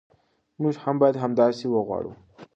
موږ هم باید همداسې وغواړو.